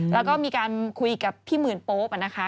แล้วก็มีการคุยกับพี่หมื่นโป๊ปนะคะ